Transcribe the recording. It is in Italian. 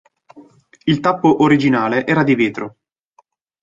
Il tappo originale era di vetro.